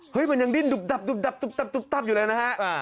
เห้ยมันยังดิ้นดุบดับอยู่เลยนะฮะ